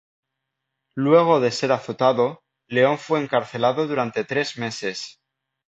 Luego de ser azotado, León fue encarcelado durante tres meses.